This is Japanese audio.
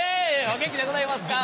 お元気でございますか？